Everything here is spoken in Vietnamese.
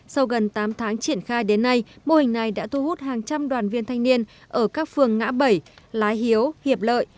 sau gần tám tháng triển khai đến nay mô hình này đã thu hút hàng trăm đoàn viên thanh niên ở các phường ngã bảy lái hiếu hiệp lợi